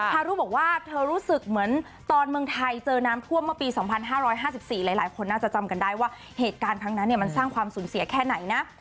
ทารุบอกว่าเธอรู้สึกเหมือนตอนเมืองไทยเจอน้ำท่วมเมื่อปี๒๕๕๔หลายคนน่าจะจำกันได้ว่าเหตุการณ์ครั้งนั้นมันสร้างความสูญเสียแค่ไหนนะ